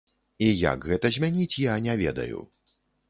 І як гэта змяніць, я не ведаю.